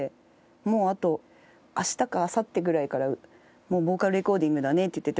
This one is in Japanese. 「もうあと明日かあさってぐらいからヴォーカルレコーディングだね」って言ってて。